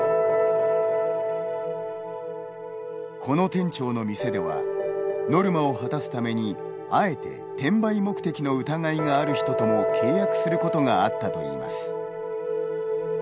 この店長の店ではノルマを果たすためにあえて転売目的の疑いがある人とも契約することがあったといいます。